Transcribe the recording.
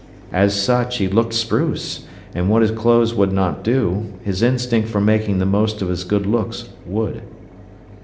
As such, he looked spruce, and what his clothes would not do, his instinct for making the most of his good looks would.